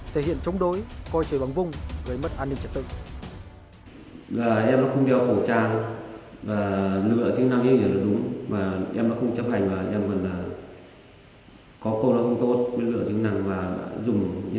thể hiện chống đối coi trời bằng vung gây mất an ninh trật tự